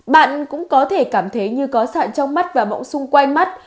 bạn cũng có thể cảm thấy như có sạn trong mắt và mẫu xung quanh mắt